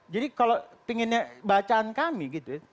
jadi kalau pinginnya bacaan kami gitu ya